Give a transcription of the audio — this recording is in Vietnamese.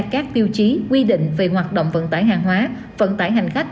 các tiêu chí quy định về hoạt động vận tải hàng hóa vận tải hành khách